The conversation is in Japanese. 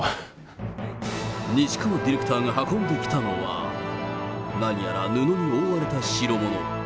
西川ディレクターが運んできたのは、何やら布に覆われた代物。